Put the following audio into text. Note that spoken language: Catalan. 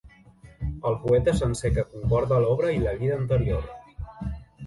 El poeta sencer que concorda l'obra i la vida interior